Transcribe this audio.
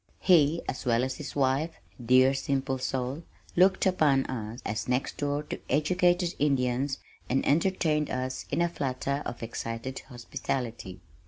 He, as well as his wife (dear simple soul), looked upon us as next door to educated Indians and entertained us in a flutter of excited hospitality.